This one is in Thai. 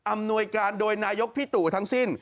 หน่วยการโดยนายกพี่ตู่ทั้งสิ้น